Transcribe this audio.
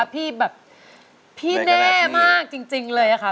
พี่แน่มากจริงเลยค่ะ